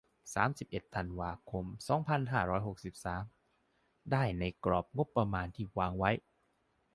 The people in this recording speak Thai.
สามสิบเอ็ด ธันวาคม สองพันห้าร้อยหกสิบสาม ได้ ในกรอบงบประมาณที่วางไว้